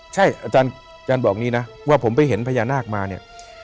ใช่อาจารย์บอกนี้นะว่าผมไปเห็นพญานาคมาเนี่ย